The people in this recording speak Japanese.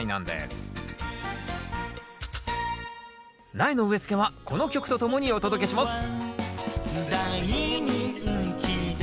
苗の植え付けはこの曲とともにお届けします